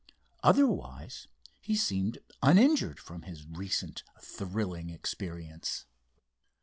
Otherwise he seemed uninjured from his recent thrilling experience.